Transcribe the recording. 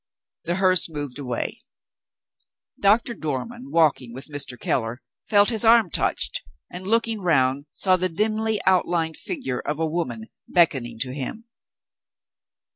The hearse moved away. Doctor Dormann, walking with Mr. Keller, felt his arm touched, and, looking round, saw the dimly outlined figure of a woman beckoning to him.